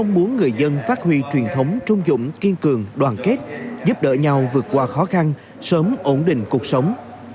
muốn người dân phát huy truyền thống trung dũng kiên cường đoàn kết giúp đỡ nhau vượt qua khó khăn sớm ổn định cuộc sống